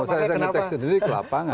saya ngecek sendiri di kelapangan